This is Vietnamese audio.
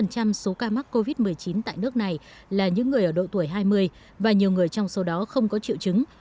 nhiều người ở độ tuổi hai mươi và nhiều người trong số đó không có triệu chứng